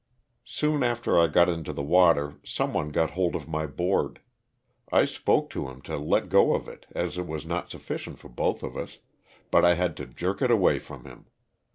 Soon after I got into the water some one got hold of my board. I spoke to him to let go of it, as it was not sufficient for both of us, but I had to jerk it away from him.